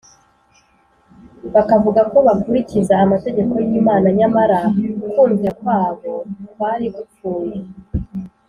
bakavuga ko bakurikiza amategeko y’imana, nyamara kumvira kwabo kwari gupfuye